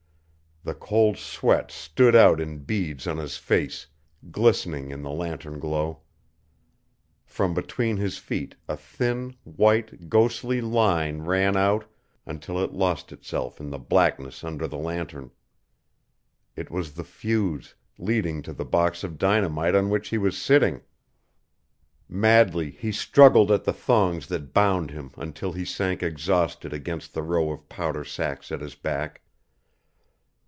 The cold sweat stood out in beads on his face, glistening in the lantern glow. From between his feet a thin, white, ghostly line ran out until it lost itself in the blackness under the lantern. It was the fuse, leading to the box of dynamite on which he was sitting! Madly he struggled at the thongs that bound him until he sank exhausted against the row of powder sacks at his back.